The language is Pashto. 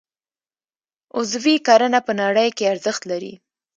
عضوي کرنه په نړۍ کې ارزښت لري